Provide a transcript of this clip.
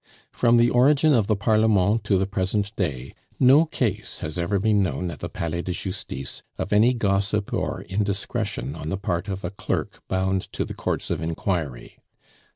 From the origin of the Parlement to the present day, no case has ever been known at the Palais de Justice of any gossip or indiscretion on the part of a clerk bound to the Courts of Inquiry.